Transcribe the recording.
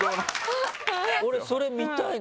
俺、それ見たいな。